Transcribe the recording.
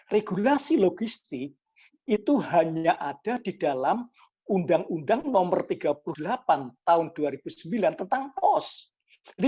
regulasi logistik itu hanya ada di dalam undang undang nomor tiga puluh delapan tahun dua ribu sembilan tentang pos